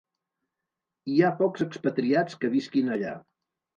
Hi ha pocs expatriats que visquin allà.